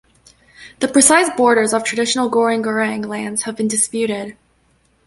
The precise borders of traditional Goreng Goreng lands have been disputed.